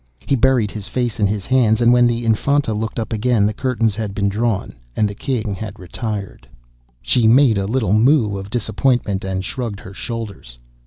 He buried his face in his hands, and when the Infanta looked up again the curtains had been drawn, and the King had retired. She made a little moue of disappointment, and shrugged her shoulders.